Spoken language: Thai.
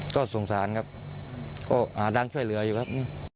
ก็สงสารครับก็หาทางช่วยเหลืออยู่ครับ